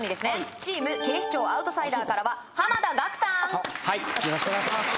チーム警視庁アウトサイダーからは濱田岳さんはいよろしくお願いします